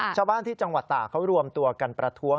ชาวบ้านที่จังหวัดตากเขารวมตัวกันประท้วง